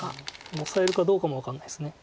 オサえるかどうかも分かんないです。